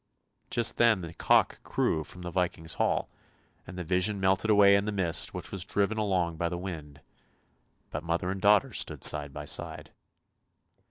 Just then the cock crew from the Viking's hall, and the vision melted away in the mist which was driven along by the wind, but mother and daughter stood side by side.